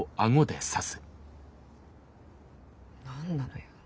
何なのよ？